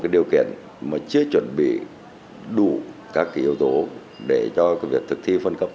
đủ các yếu tố để cho việc thực thi phân cấp